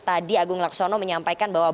agung laksono menyampaikan bahwa